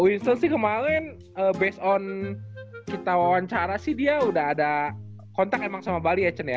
wisle sih kemarin based on kita wawancara sih dia udah ada kontak emang sama bali action ya